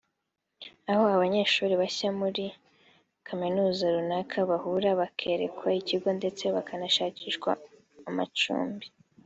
aho abanyeshuri bashya muri kaminuza runaka bahura bakerekwa ikigo ndetse bakanashakirwa amacumbi